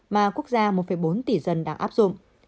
mà quốc gia một bốn tỷ dân đang áp dụng